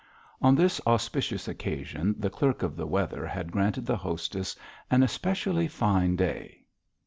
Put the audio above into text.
On this auspicious occasion the clerk of the weather had granted the hostess an especially fine day.